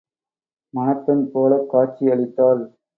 மணப்பெண் போலக் காட்சி அளித்தாள்.